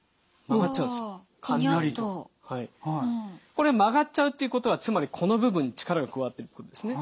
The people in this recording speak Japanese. これ曲がっちゃうっていうことはつまりこの部分に力が加わってるってことですね。